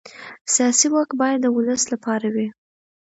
سیاسي واک باید د ولس لپاره وي